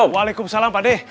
waalaikumsalam pak d